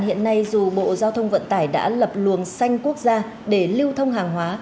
hiện nay dù bộ giao thông vận tải đã lập luồng xanh quốc gia để lưu thông hàng hóa